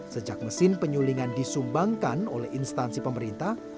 sejak mesin penyulingan disumbangkan oleh instansi pemerintah